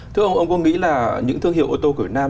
thưa ông ông có nghĩ là những thương hiệu ô tô của việt nam